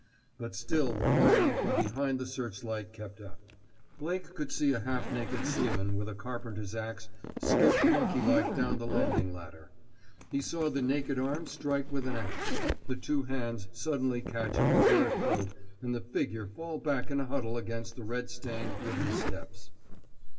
But still the firing from behind the searchlight kept up. Blake could see a half naked seaman with a carpenter's ax skip monkey like down the landing ladder. He saw the naked arm strike with the ax, the two hands suddenly catch at the bare throat, and the figure fall back in a huddle against the red stained wooden steps.